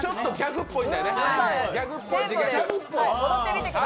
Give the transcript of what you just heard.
ギャグっぽい自虐。